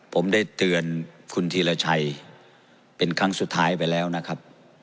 ผมได้เตือนคุณธีรชัยเป็นครั้งสุดท้ายไปแล้วนะครับ